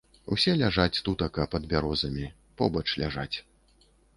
Усе ляжаць тутака пад бярозамі, побач ляжаць.